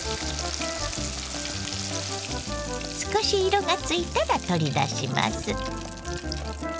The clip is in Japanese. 少し色がついたら取り出します。